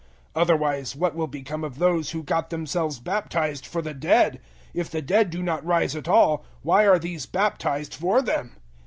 015:029 Otherwise what will become of those who got themselves baptized for the dead? If the dead do not rise at all, why are these baptized for them?